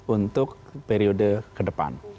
untuk periode kedepan